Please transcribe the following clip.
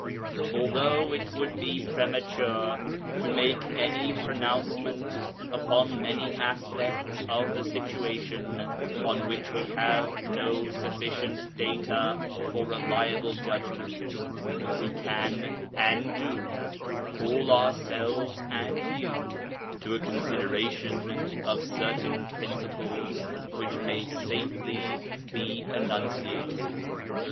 Although it would be premature to make any pronouncement upon many aspects of the situation on which we have no sufficient data for a reliable judgment, we can, and do, call ourselves and you to a consideration of certain principles which may safely be enunciated.